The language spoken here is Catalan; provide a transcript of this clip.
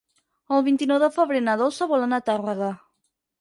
El vint-i-nou de febrer na Dolça vol anar a Tàrrega.